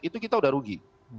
itu kita sudah rugi